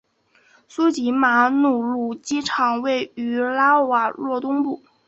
苏吉马努鲁机场位于拉瓦若东部。